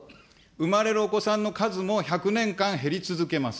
産まれるお子さんの数も１００年間減り続けます。